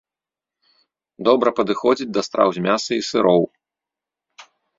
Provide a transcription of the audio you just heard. Добра падыходзіць да страў з мяса і сыроў.